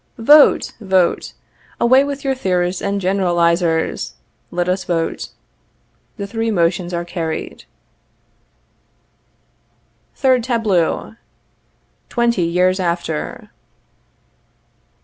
_ Vote, vote. Away with your theorists and generalizers! Let us vote. [The three motions are carried.] THIRD TABLEAU. _Twenty Years After.